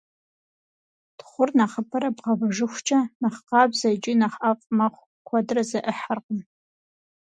Тхъур нэхъыбэрэ бгъэвэжыхукӏэ, нэхъ къабзэ икӏи нэхъ ӏэфӏ мэхъу, куэдрэ зэӏыхьэркъым.